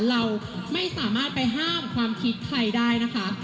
เราไม่สามารถไปห้ามความคิดใครได้นะคะ